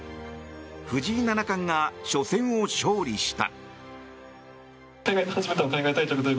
藤井七冠が初戦を勝利した。